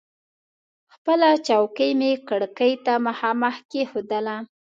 خپله چوکۍ مې کړکۍ ته مخامخ کېښودله.